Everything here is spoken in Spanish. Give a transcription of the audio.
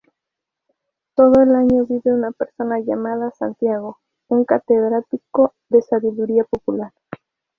Todo el año vive una persona llamada Santiago, un catedrático de "sabiduría popular.